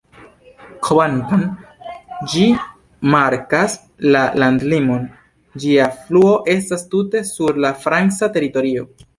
Kvankam ĝi markas la landlimon, ĝia fluo estas tute sur la franca teritorio.